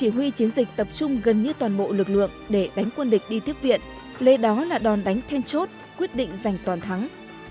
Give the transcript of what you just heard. như toàn bộ lực lượng để đánh quân địch đi tiếp viện lệ đó là đòn đánh then chốt quyết định giành toàn thắng